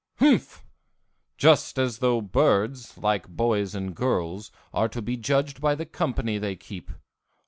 Humph! Just as though birds, like boys and girls, are to be judged by the company they keep.